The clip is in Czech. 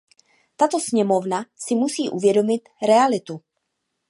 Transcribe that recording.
Tato sněmovna si musí uvědomit realitu.